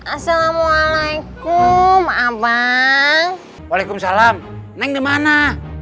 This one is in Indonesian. assalamualaikum abang waalaikumsalam neng dimana